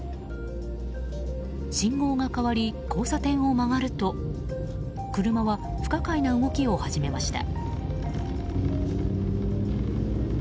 信号が変わり、交差点を曲がると車は不可解な動きを始めました。